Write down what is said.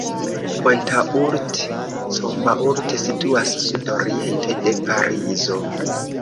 Pontault-Combault situas sudoriente de Parizo.